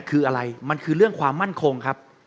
คืออะไรมันคือเรื่องความมั่นคงครับ